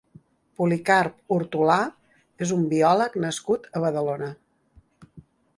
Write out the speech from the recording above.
Policarp Hortolà és un biòleg nascut a Badalona.